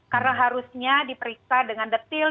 karena harusnya diperiksa dengan detil